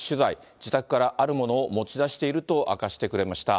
自宅からあるものを持ちだしていると明かしてくれました。